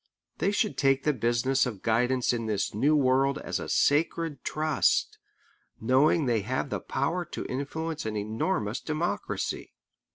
They should take the business of guidance in this new world as a sacred trust, knowing they have the power to influence an enormous democracy.